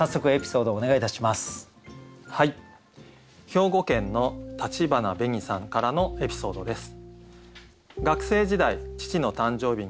兵庫県の立花紅さんからのエピソードです。